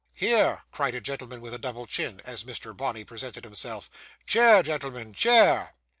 'Hear!' cried a gentleman with a double chin, as Mr. Bonney presented himself. 'Chair, gentlemen, chair!